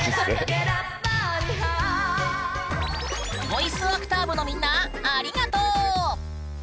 ボイスアクター部のみんなありがとう！